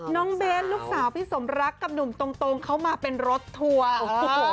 น้องเบสลูกสาวพี่สมรักกับหนุ่มตรงเขามาเป็นรถทัวร์โอ้โห